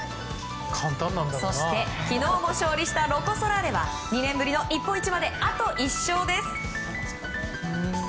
そして、昨日も勝利したロコ・ソラーレは２年ぶりの日本一まであと１勝です。